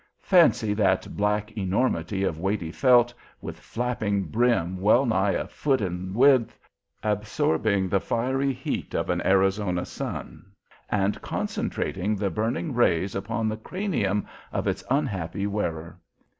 Fancy that black enormity of weighty felt, with flapping brim well nigh a foot in width, absorbing the fiery heat of an Arizona sun, and concentrating the burning rays upon the cranium of its unhappy wearer!